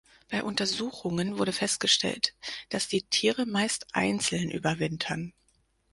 Bei Untersuchungen wurde festgestellt, dass die Tiere meist einzeln überwintern.